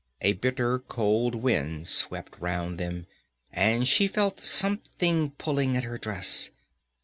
A bitter cold wind swept round them, and she felt something pulling at her dress.